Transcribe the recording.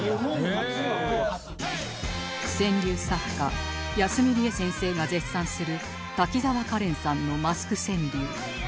川柳作家やすみりえ先生が絶賛する滝沢カレンさんのマスク川柳